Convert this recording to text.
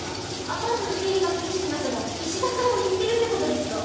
アパートの経営が厳しくなったら石田さんを見捨てるってことですか？